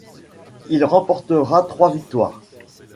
Il y remportera trois victoires.